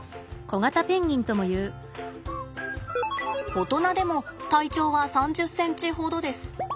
大人でも体長は３０ｃｍほどです。